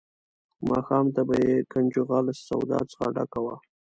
ماښام ته به یې کنجغه له سودا څخه ډکه وه.